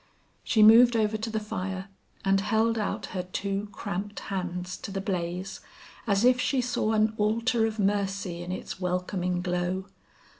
She moved over to the fire and held out her two cramped hands to the blaze, as if she saw an altar of mercy in its welcoming glow.